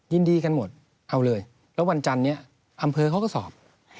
ยินดีกันหมดเอาเลยแล้ววันจันนี้อำเภอเขาก็สอบ